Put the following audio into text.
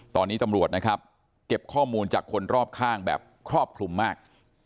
ตอนนี้ตำรวจนะครับเก็บข้อมูลจากคนรอบข้างแบบครอบคลุมมาก